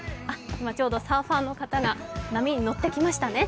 今ちょうどサーファーの方が波に乗っていきましたね。